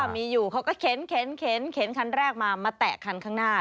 มีอยู่เขาก็เข็นคันแรกมามาแตะคันข้างหน้า